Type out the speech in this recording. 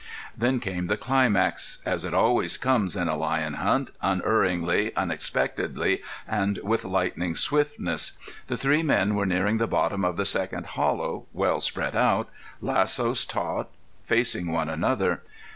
Then came the climax, as it always comes in a lion hunt, unerringly, unexpectedly, and with lightning swiftness. The three men were nearing the bottom of the second hollow, well spread out, lassos taut, facing one another.